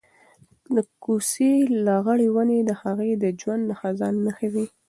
د کوڅې لغړې ونې د هغې د ژوند د خزان نښې وې.